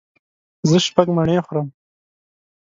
زه شپږ مڼې خورم.